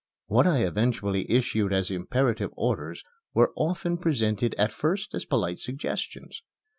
What I eventually issued as imperative orders were often presented at first as polite suggestions.